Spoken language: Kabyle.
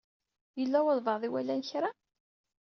Yella walebɛaḍ i iwalan kra?